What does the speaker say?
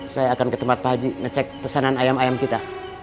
saya akan ke tempat pak haji ngecek pesanan ayam ayam kita